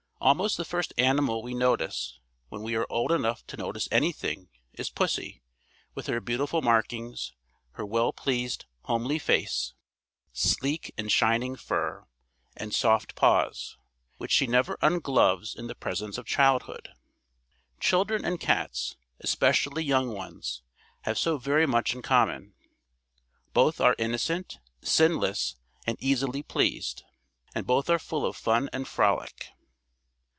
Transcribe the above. Almost the first animal we notice, when we are old enough to notice anything, is pussy, with her beautiful markings, her well pleased, homely face, sleek and shining fur, and soft paws, which she never ungloves in the presence of childhood. Children and cats, especially young ones, have so very much in common. Both are innocent, sinless, and easily pleased, and both are full of fun and frolic.